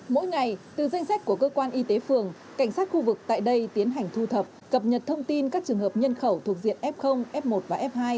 mỗi ngày từ danh sách của cơ quan y tế phường cảnh sát khu vực tại đây tiến hành thu thập cập nhật thông tin các trường hợp nhân khẩu thuộc diện f f một và f hai